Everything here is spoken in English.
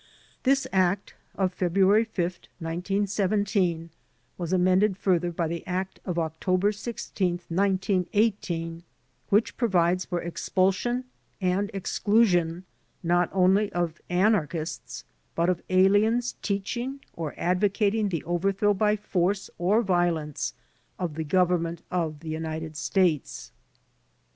* This Act of February 5, 1917, was amended further by the Act of October 16, 1918, which provides for expulsion and exclusion not only of an archists but of aliens teaching or advocating the over throw by force or violence of the Government of the United States.